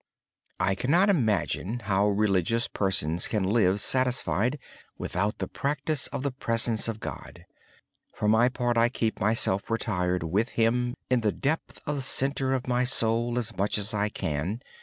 I cannot imagine how religious persons can live satisfied without the practice of the presence of God. For my part I keep myself retired with Him in the depth and center of my soul as much as I can.